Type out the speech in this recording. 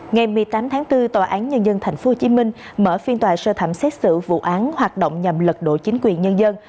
ngày một mươi tám tháng bốn tòa án nhân dân tp hcm mở phiên tòa sơ thẩm xét xử vụ án hoạt động nhằm lật đổ chính quyền nhân dân